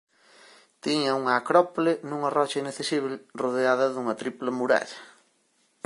Tiña unha acrópole nunha rocha inaccesíbel rodeada dunha tripla muralla.